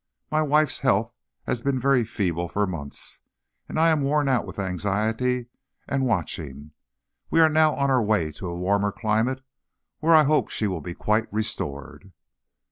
My wife's health has been very feeble for months, and I am worn out with anxiety and watching. We are now on our way to a warmer climate, where I hope she will be quite restored."